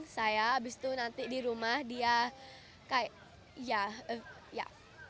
saya nanti di rumah dia kayak ya